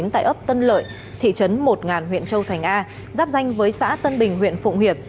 tại ấp tân lợi thị trấn một huyện châu thành a giáp danh với xã tân bình huyện phụng hiệp